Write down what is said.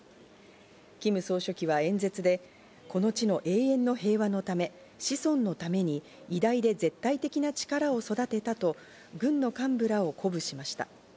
キム総書記は演説で、この地の永遠の平和のため、子孫のために偉大で絶対的な力を育てたと軍の幹部らを鼓舞しました。